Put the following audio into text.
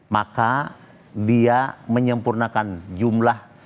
maka dia menyempurnakan jumlah